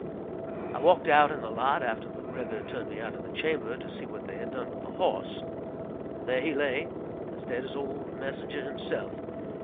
I walked out in the lot, after McGregor turned me out of the chamber, to see what they had done with the horse. There he lay, as dead as old Messenger himself.